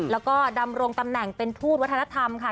แล้วก็ดำรงตำแหน่งเป็นทูตวัฒนธรรมค่ะ